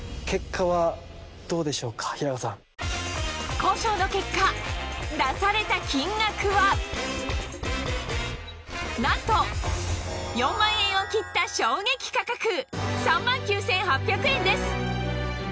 交渉の結果出された金額はなんと４万円を切った衝撃価格３万９８００円